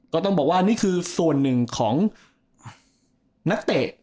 ก็ต้องบอกว่านี่คือส่วนหนึ่งของนักเตะ